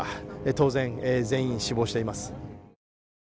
当然、全員死亡しています。